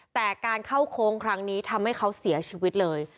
แต่การเข้าโค้งครั้งนี้ทำให้เขาเสียชีวิตเลย